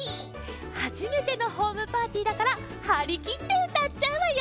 はじめてのホームパーティーだからはりきってうたっちゃうわよ。